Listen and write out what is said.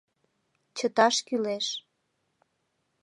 Чыташ кӱлеш.